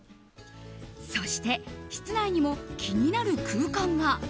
そして、室内にも気になる空間が。